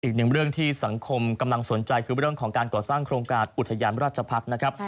อีกหนึ่งเรื่องที่สังคมกำลังสนใจคือเรื่องของการก่อสร้างโครงการอุทยานราชภักษ์นะครับ